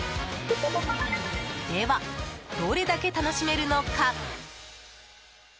では、どれだけ楽しめるのか？